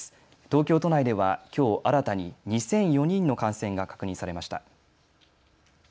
東京都内ではきょう新たに２００４人の感染が確認されました。